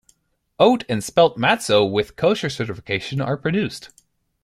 Oat and spelt matzo with kosher certification are produced.